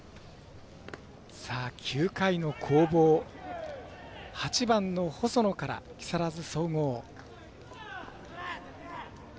９回の攻防、８番の細野から木更津総合。